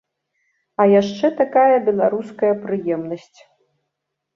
А яшчэ такая беларуская прыемнасць.